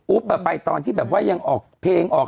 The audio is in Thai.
ไปตอนที่แบบว่ายังออกเพลงออก